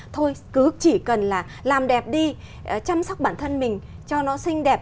thôi cứ chỉ cần là làm đẹp đi chăm sóc bản thân mình cho nó xinh đẹp